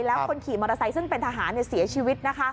แล้วคนขี่มอเตอร์ไซค์ซึ่งเป็นทหารเสียชีวิต